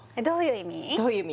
どういう意味？